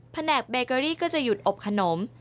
แผนกเบเกอรี่ก็จะหยุดอบขนม